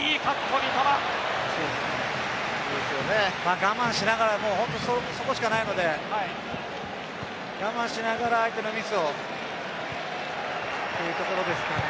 我慢しながら本当に、そこしかないので我慢しながら相手のミスをというところですかね。